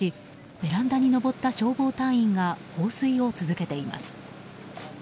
ベランダに上った消防隊員が放水を続けています。